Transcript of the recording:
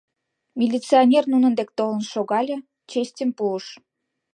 Милиционер нунын дек толын шогале, честьым пуыш.